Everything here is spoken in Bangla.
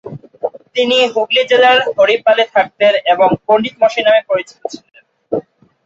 তিনি হুগলি জেলার হরিপালে থাকতেন এবং পণ্ডিত মশাই নামে পরিচিত ছিলেন।